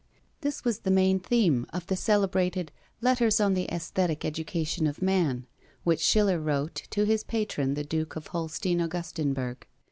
This was the main theme of the celebrated "Letters on the Aesthetic Education of Man," which Schiller wrote to his patron the Duke of Holstein Augustenburg.